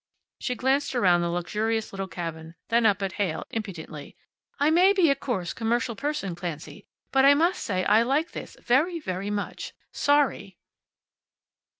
She glanced around the luxurious little cabin, then up at Heyl, impudently. "I may be a coarse commercial person, Clancy, but I must say I like this very, very much. Sorry."